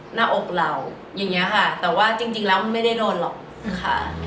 หน้าอกเราแต่ว่าจริงแล้วมันไม่ได้โดนหรอก